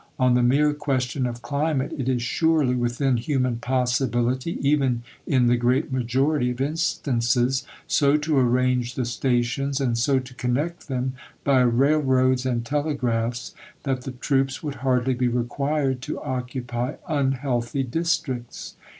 On the mere question of climate, it is surely within human possibility, even in the great majority of instances, so to arrange the stations, and so to connect them, by railroads and telegraphs, that the troops would hardly be required to occupy unhealthy districts.